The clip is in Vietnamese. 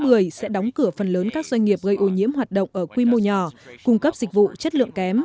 để bắt cửa phần lớn các doanh nghiệp gây ô nhiễm hoạt động ở quy mô nhỏ cung cấp dịch vụ chất lượng kém